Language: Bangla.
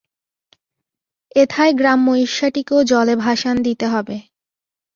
এথায় গ্রাম্য ঈর্ষাটিকেও জলে ভাসান দিতে হবে।